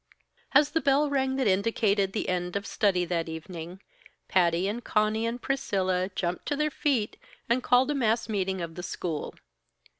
As the bell rang that indicated the end of study that evening, Patty and Conny and Priscilla jumped to their feet, and called a mass meeting of the school.